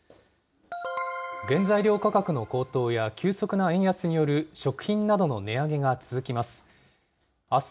原材料価格の高騰や、急速な円安による食品などの値上げが続きます。